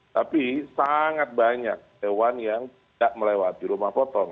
tapi sangat banyak hewan yang tidak melewati rumah potong